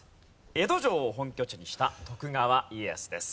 江戸城を本拠地にした徳川家康です。